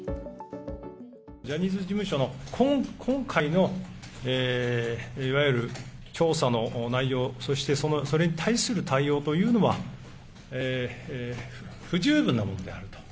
ジャニーズ事務所の今回のいわゆる調査の内容、そしてそれに対する対応というのは不十分なものであると。